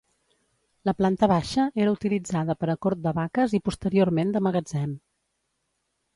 La planta baixa era utilitzada per a cort de vaques i posteriorment de magatzem.